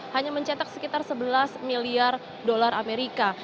hanya mencetak sekitar sebelas miliar dolar amerika